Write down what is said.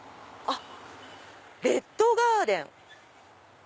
「レッド・ガーデン」。